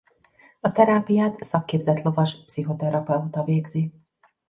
A terápiát szakképzett lovas pszichoterapeuta végzi.